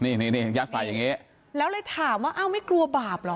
นี่นี่ยัดใส่อย่างนี้แล้วเลยถามว่าอ้าวไม่กลัวบาปเหรอ